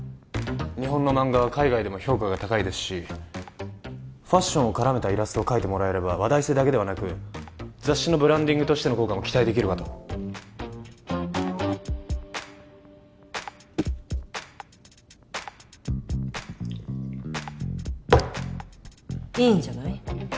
日本の漫画は海外でも評価が高いですしファッションを絡めたイラストを描いてもらえれば話題性だけではなく雑誌のブランディングとしての効果も期待できるかといいんじゃない？